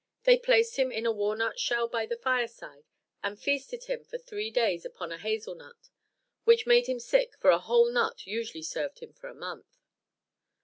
They placed him in a walnut shell by the fireside, and feasted him for three days upon a hazel nut, which made him sick, for a whole nut usually served him for a month.